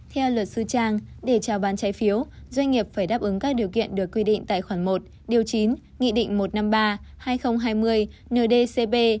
theo luật sư trang để trao bán trái phiếu doanh nghiệp phải đáp ứng các điều kiện được quy định tại khoản một điều chín nghị định một trăm năm mươi ba hai nghìn hai mươi ndcp